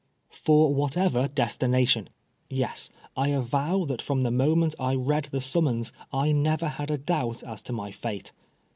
For whatever destination I Yes, I avow that from the moment I read the summons I never had a doubt as to my fate.